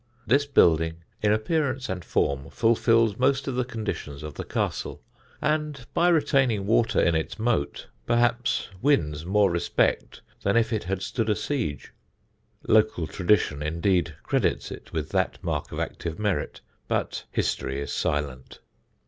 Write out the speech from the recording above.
This building in appearance and form fulfils most of the conditions of the castle, and by retaining water in its moat perhaps wins more respect than if it had stood a siege. (Local tradition indeed credits it with that mark of active merit, but history is silent.)